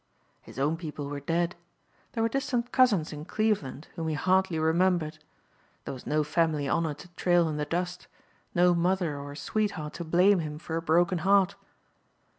His own people were dead. There were distant cousins in Cleveland, whom he hardly remembered. There was no family honor to trail in the dust, no mother or sweetheart to blame him for a broken heart.